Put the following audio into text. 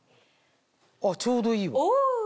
ちょうどいいわ。